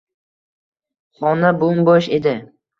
Xona bo`m-bo`sh edi